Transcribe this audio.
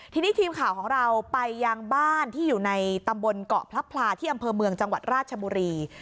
ทีนี้ทีมข่าวของเราไปยังบ้านที่อยู่ในตำบลเกาะพลับพลาที่อำเภอเมืองจังหวัดราชบุรี